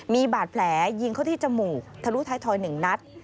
มีบาดแผลยิงเข้าที่จมูกทะลุท้ายทอย๑นัด